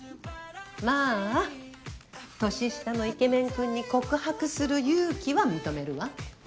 まあ年下のイケメン君に告白する勇気は認めるわ。